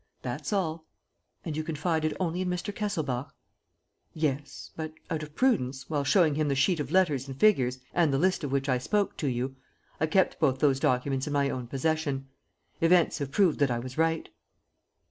"That's all." "And you confided only in Mr. Kesselbach?" "Yes. But, out of prudence, while showing him the sheet of letters and figures and the list of which I spoke to you, I kept both those documents in my own possession. Events have proved that I was right."